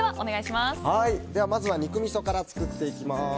まずは肉みそから作っていきます。